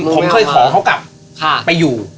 ผมเคยขอเขากลับไปอยู่